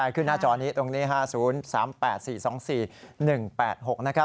อะขึ้นหน้าจอตรงนี้อ่ะ